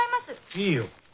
いいよ。